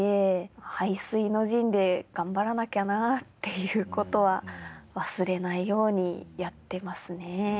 背水の陣で頑張らなきゃなっていう事は忘れないようにやってますね。